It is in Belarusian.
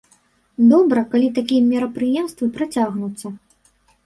Добра, калі такія мерапрыемствы працягнуцца.